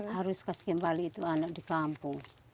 harus kasih kembali itu anak di kampung